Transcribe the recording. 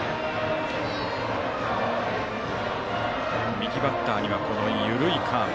右バッターには、この緩いカーブ。